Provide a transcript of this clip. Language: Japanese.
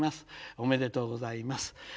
おめでとうございます。